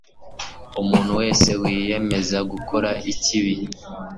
umuntu wese wiyemeza gukora ikibi